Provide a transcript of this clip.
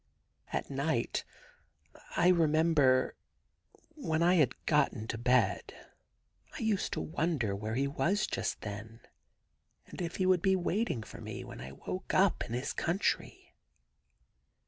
... At night, I remember, when I had got into bed 1 used to wonder where he was just then, and if he would be waiting for me when I woke up in his country.